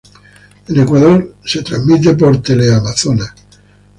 En Ecuador es transmitida por Teleamazonas.